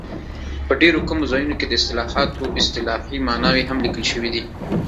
په ډېرو کمو ځایونو کې د اصطلاحاتو اصطلاحي ماناوې هم لیکل شوي دي.